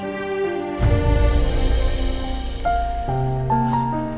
dan jangan buat elsa sedih